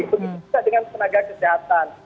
begitu juga dengan tenaga kesehatan